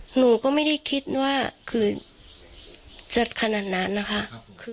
หนูก็ไม่ได้คิดว่าคือจะขนาดนั้นนะคะ